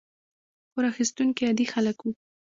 پور اخیستونکي عادي خلک وو.